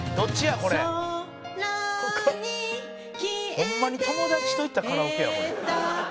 「ホンマに友達と行ったカラオケやこれ」